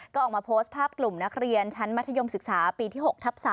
ก็ออกมาโพสต์ภาพกลุ่มนักเรียนชั้นมัธยมศึกษาปีที่๖ทับ๓